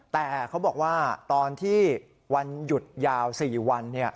แต่เขาบอกว่าตอนที่วันหยุดยาว๔วัน